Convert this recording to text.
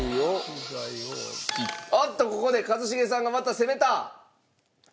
おっとここで一茂さんがまた攻めた。